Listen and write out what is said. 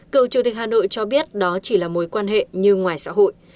cựu chủ tịch hà nội cho biết đó chỉ là mối quan hệ như ngoài xã hội